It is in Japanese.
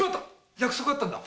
約束があったんだ！